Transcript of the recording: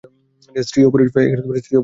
স্ত্রী ও পুরুষ গাছ আলাদা।